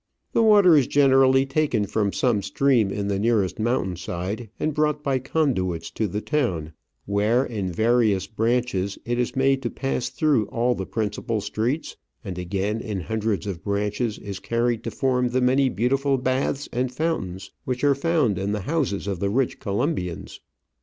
The water is generally taken from some stream in the nearest mountain side, and brought by conduits to the town, where, in various branches, it is made to pass through all the principal streets, and again, in hundreds of branches, is carried to form the many beautiful baths and fountains which are found in the houses of tl^Q rich Colombians.